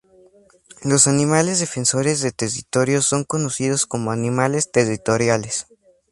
Los animales defensores de territorios son conocidos como animales territoriales.